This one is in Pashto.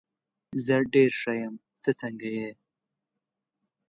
زه ډېر ښه یم، ته څنګه یې؟